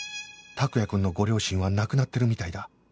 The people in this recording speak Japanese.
託也くんのご両親は亡くなってるみたいだ